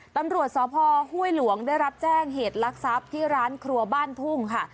ตำรวจสพห้วยหลวงได้รับแจ้งเหตุลักษัพที่ร้านครัวบ้านทุ่งค่ะ